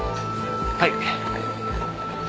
はい。